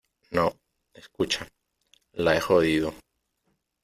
no , escucha . la he jodido .